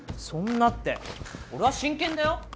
そんなって俺は真剣だよ！